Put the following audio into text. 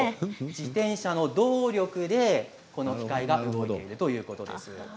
自転車の動力でこの機械が動くということです。